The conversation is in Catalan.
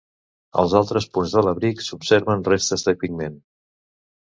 En altres punts de l'abric s'observen restes de pigment.